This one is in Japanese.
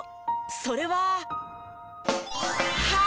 それは。